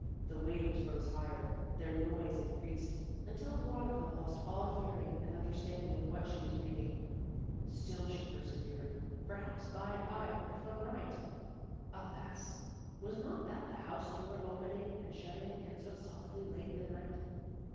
The waves rose higher; their noise increased, until Veronica lost all hearing and understanding of what she was reading. Still she persevered; perhaps bye and bye it would come right. Alas! was not that the house door opening and shutting again so softly late in the night?